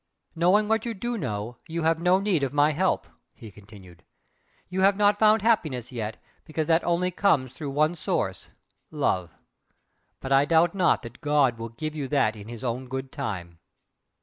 "Knowing what you do know you have no need of my help" he continued "You have not found happiness yet, because that only comes through one source Love. But I doubt not that God will give you that in His own good time."